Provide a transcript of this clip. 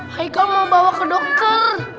kau mau bawa ke dokter